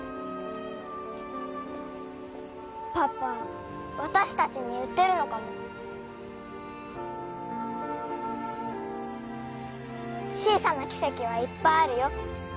パパ私達に言ってるのかも小さな奇跡はいっぱいあるよ